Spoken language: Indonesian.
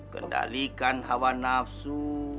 kendalikan hawa nafsu